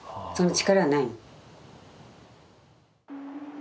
そんな力はない。